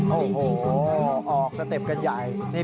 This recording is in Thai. โอ้โหออกสเต็ปกันใหญ่